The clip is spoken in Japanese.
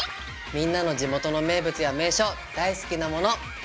みんなの地元の名物や名所大好きなもの。